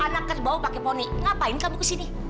anak kan bawa pake poni ngapain kamu kesini